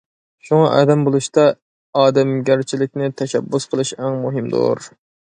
شۇڭا ئادەم بولۇشتا ئادەمگەرچىلىكنى تەشەببۇس قىلىش ئەڭ مۇھىمدۇر.